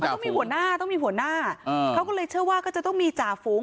ต้องมีหัวหน้าต้องมีหัวหน้าเขาก็เลยเชื่อว่าก็จะต้องมีจ่าฝูง